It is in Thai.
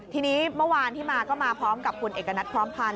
ทีนี้เมื่อวานที่มาก็มาพร้อมกับคุณเอกณัฐพร้อมพันธ